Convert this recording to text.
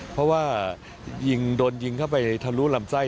เพราะว่ายิงโดนยิงเข้าไปทะลุลำไส้